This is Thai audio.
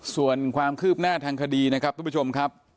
ส่วนความคืบหน้าทางคดีนะครับทุกผู้ชมครับ